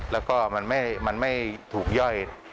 แล้วก็มันไม่ถูกย่อย